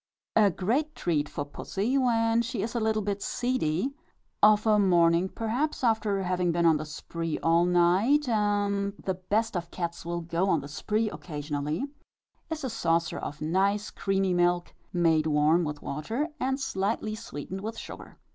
A great treat for pussy, when she is a little bit seedy of a morning, perhaps, after having been on the spree all night, and the best of cats will go on the spree occasionally is a saucer of nice creamy milk, made warm with water, and slightly sweetened with sugar.